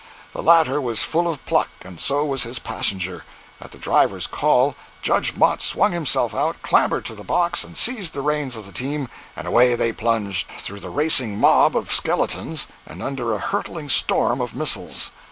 The latter was full of pluck, and so was his passenger. At the driver's call Judge Mott swung himself out, clambered to the box and seized the reins of the team, and away they plunged, through the racing mob of skeletons and under a hurtling storm of missiles.